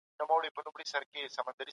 انسانان په طبيعي ډول ټولنيز پيدا سوي دي.